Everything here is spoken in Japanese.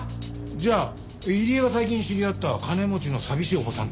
じゃあ入江が最近知り合った金持ちの寂しいおばさんって。